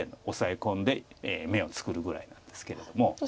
オサエ込んで眼を作るぐらいなんですけれども。